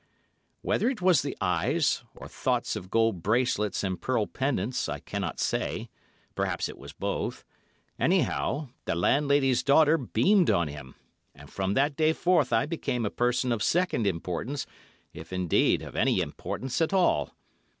Whether it was the eyes, or thoughts of gold bracelets and pearl pendants, I cannot say—perhaps it was both; anyhow, the landlady's daughter beamed on him, and from that day forth I became a person of second importance, if, indeed, of any importance at all.